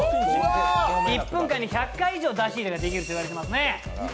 １分間に１００回以上出し入れができると言われてますね。